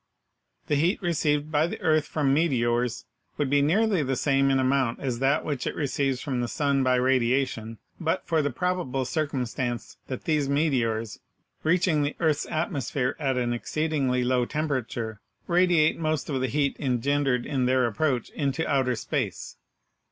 The heat received by the earth from meteors would be nearly the same in amount as that which it receives from the sun by radiation, but for the probable circumstance that these meteors, reaching the earth's atmosphere at an ex 49 50 PHYSICS ceedingly low temperature, radiate most of the heat en gendered in their approach into outer space.